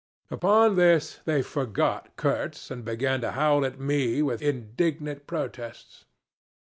Upon this they forgot Kurtz, and began to howl at me with indignant protests.